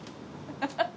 ハハハハ。